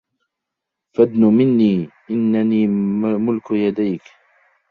فادنُ منّي.. إنّني ملك يديك.